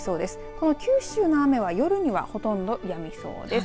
この九州の雨は夜にはほとんどやみそうです。